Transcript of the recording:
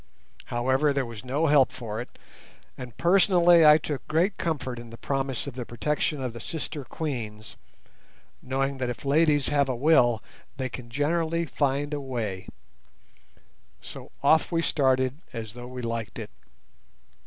However, there was no help for it, and personally I took great comfort in the promise of the protection of the sister Queens, knowing that if ladies have a will they can generally find a way; so off we started as though we liked it.